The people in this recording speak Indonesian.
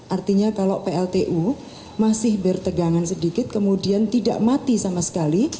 artinya kalau pltu masih bertegangan sedikit kemudian tidak mati sama sekali